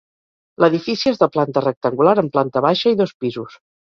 L'edifici és de planta rectangular amb planta baixa i dos pisos.